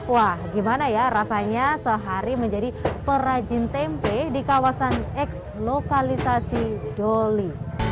wah gimana ya rasanya sehari menjadi perajin tempe di kawasan eks lokalisasi doli